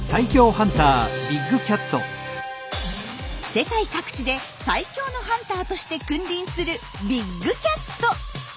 世界各地で最強のハンターとして君臨するビッグキャット。